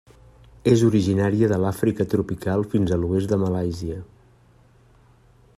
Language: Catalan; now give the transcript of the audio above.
És originària de l'Àfrica tropical fins a l'oest de Malàisia.